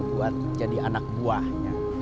buat jadi anak buahnya